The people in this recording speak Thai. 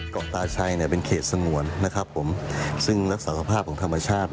เกาะตาชัยเป็นเขตสงวนซึ่งรักษาสภาพของธรรมชาติ